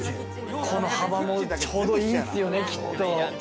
この幅もちょうどいいっすよね、きっと。